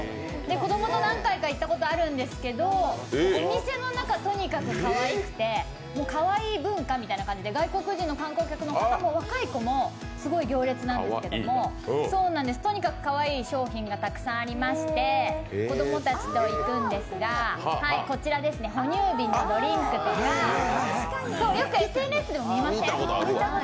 子供と何回か行ったことがあるんですけど、お店の中がとにかくかわいくてかわいい文化みたいな感じで外国人の観光客の方も若い子もすごい行列なんですけれども、とにかくかわいい商品がたくさんありまして子供たちと行くんですが、こちら哺乳瓶のドリンクとか、よくＳＮＳでも見ません？